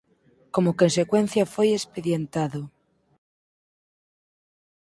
Como consecuencia foi expedientado.